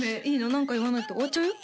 何か言わないと終わっちゃうよ？